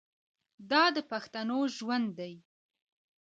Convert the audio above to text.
دا د پښتنو ژوند دی.